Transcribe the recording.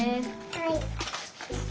はい。